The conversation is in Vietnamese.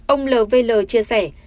ông lvl chia sẻ